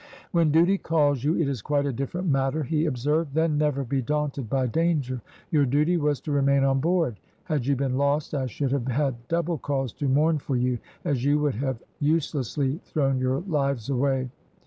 "When duty calls you, it is quite a different matter," he observed: "then never be daunted by danger. Your duty was to remain on board. Had you been lost I should have had double cause to mourn for you, as you would have uselessly thrown your lives away."